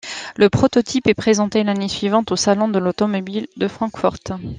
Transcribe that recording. Le prototype est présenté l'année suivante au salon de l'automobile de Francfort.